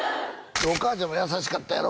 でお母ちゃんも優しかったやろ？